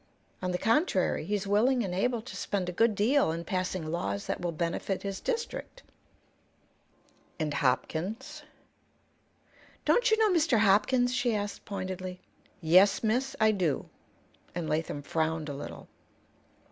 On the contrary, he's willing and able to spend a good deal in passing laws that will benefit his district." "And Hopkins?" "Don't you know Mr. Hopkins?" she asked, pointedly. "Yes, miss; I do." And Latham frowned a little.